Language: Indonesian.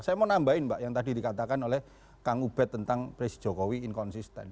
saya mau nambahin mbak yang tadi dikatakan oleh kang ubed tentang presiden jokowi inkonsisten